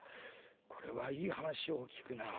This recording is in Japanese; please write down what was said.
これはいい話を聞くなあ。